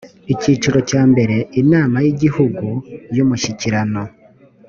icyiciro cya mbere inamayigihugu yumushyikirano